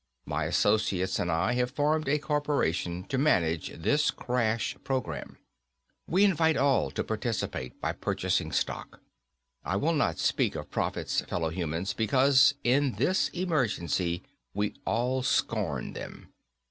My associates and I have formed a corporation to manage this crash program. We invite all to participate by purchasing stock. I will not speak of profits, fellow humans, because in this emergency we all scorn them.